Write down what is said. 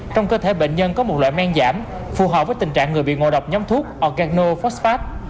trong cơ thể bệnh nhân có một loại men giảm phù hợp với tình trạng người bị ngộ độc nhóm thuốc organo fospad